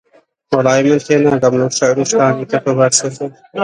چەند شیعرێکم لە مەدحی ئەحمەداغای حاجی بایزاغادا گوت